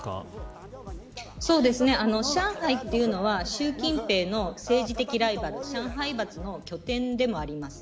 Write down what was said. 上海というのは習近平の政治的ライバル上海閥の拠点でもあります。